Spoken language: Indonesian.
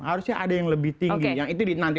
harusnya ada yang lebih tinggi yang itu nanti